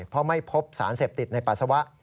เพราะไม่พบสารเสพติดในปัสสาวะ